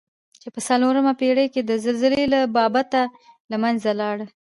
چې په څلورمه پېړۍ کې د زلزلې له بابته له منځه لاړه.